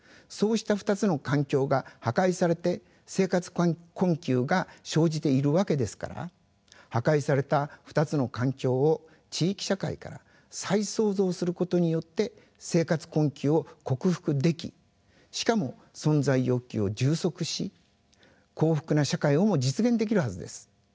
そうした２つの環境が破壊されて生活困窮が生じているわけですから破壊された２つの環境を地域社会から再創造することによって生活困窮を克服できしかも存在欲求を充足し幸福な社会をも実現できるはずです。